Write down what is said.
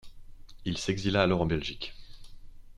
Il s'exila alors en Belgique.